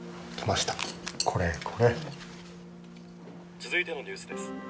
「続いてのニュースです」